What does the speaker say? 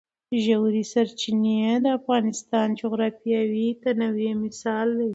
ژورې سرچینې د افغانستان د جغرافیوي تنوع مثال دی.